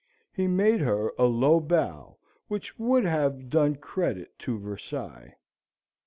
He made her a low bow which would have done credit to Versailles.